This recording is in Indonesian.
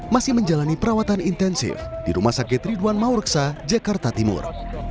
masih menjalani perawatan intensif di rumah sakit ridwan maureksa jakarta timur